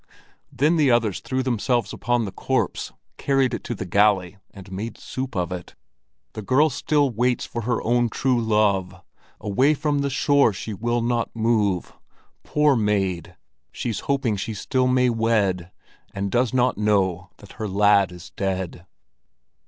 Then the others threw themselves upon the corpse, carried it to the galley, and made soup of it. "The girl still waits for her own true love, Away from the shore she will not move. Poor maid, she's hoping she still may wed, And does not know that her lad is dead."